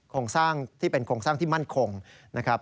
โครงสร้างที่เป็นโครงสร้างที่มั่นคงนะครับ